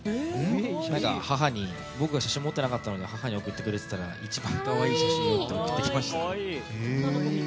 僕の写真持ってなかったので母に送ってくれって言ったら一番可愛い写真を送ってきました。